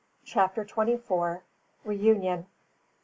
CHAPTER TWENTY FOUR. REUNION.